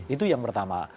itu yang pertama